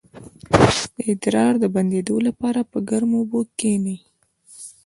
د ادرار د بندیدو لپاره په ګرمو اوبو کینئ